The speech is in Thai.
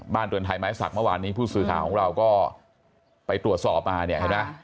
บ้านเตือนไทยไม้สักเมื่อวานนี้ผู้สื่อชาวของเราก็ไปตรวจสอบมาเนี่ย